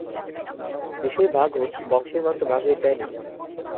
বিষয় ভাগ হোক, বংশের মান তো ভাগ হয়ে যায় নি।